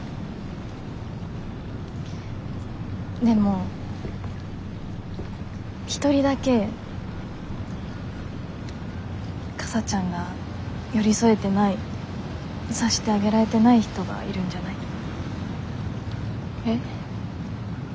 でも一人だけかさちゃんが寄り添えてない察してあげられてない人がいるんじゃない？え？